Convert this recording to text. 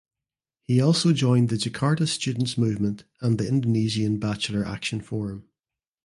He also joined the Jakarta Students Movement and the Indonesian Bachelor Action Forum.